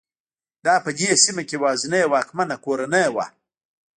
دا په دې سیمه کې یوازینۍ واکمنه کورنۍ وه.